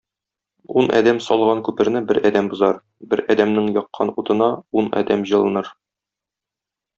Ун адәм салган күперне бер адәм бозар, бер адәмнең яккан утына ун адәм җылыныр.